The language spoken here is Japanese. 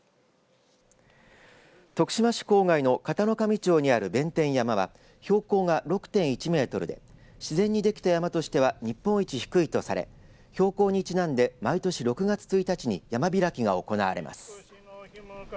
徳島市郊外の方上町にある弁天山は標高が６．１メートルで自然にできた山としては日本一低いとされ標高にちなんで毎年６月１日に山開きが行われます。